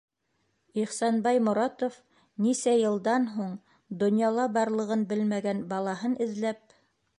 Ихсанбай Моратов... нисә йылдан һуң... донъяла барлығын белмәгән балаһын эҙләп...